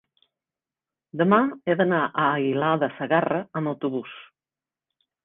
demà he d'anar a Aguilar de Segarra amb autobús.